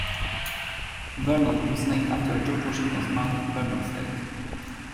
Vernon was named after George Washington's Mount Vernon estate.